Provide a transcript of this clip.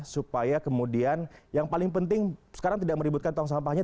supaya kemudian yang paling penting sekarang tidak meributkan tong sampahnya